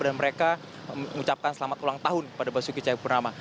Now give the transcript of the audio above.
dan mereka mengucapkan selamat ulang tahun kepada basuki ceyapurnama